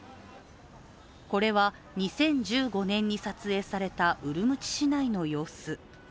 これは２０１５年に撮影されたウルムチ市内の様子。